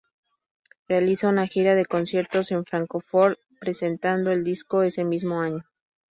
Realiza una gira de conciertos en Fráncfort presentando el disco ese mismo año.